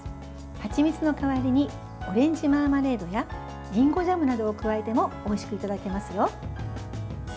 はちみつの代わりにオレンジマーマレードやりんごジャムなどを加えてもおいしくいただけますよ。